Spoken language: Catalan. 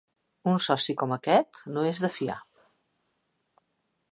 Un soci com aquest no és de fiar!